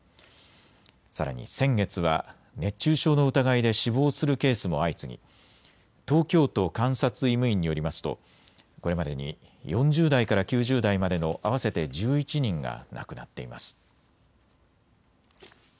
さらに先月は熱中症の疑いで死亡するケースも相次ぎ東京都監察医務院によりますとこれまでに４０代から９０代までの合わせて１１人が亡くなっています。